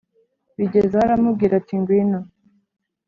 bigezaho aramubwira ati ngwino